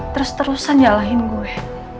terus terusan nyalahin gue